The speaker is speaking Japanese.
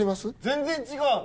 全然違う！